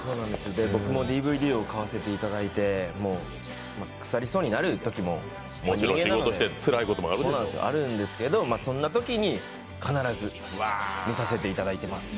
僕もＤＶＤを買わせていただいて、腐りそうになるときも人間なのであるんですけど、そんなときに必ず見させていただいています。